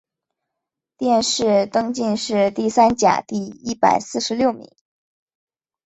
殿试登进士第三甲第一百四十六名。